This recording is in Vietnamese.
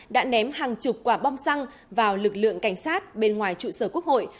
đã ném hàng chục quả bom xăng vào lực lượng cảnh sát bên ngoài trụ sở quốc hội